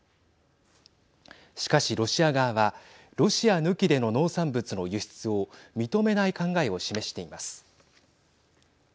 しかしロシア側はロシア抜きでの農産物の輸出を認めない考えを示しています。